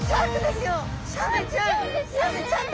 サメちゃん！